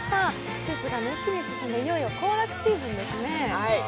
季節が一気に進んでいよいよ行楽シーズンですね。